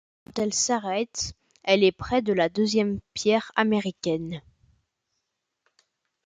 Quand elle s'arrête, elle est près de la deuxième pierre américaine.